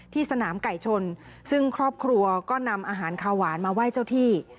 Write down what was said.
สนามไก่ชนซึ่งครอบครัวก็นำอาหารคาหวานมาไหว้เจ้าที่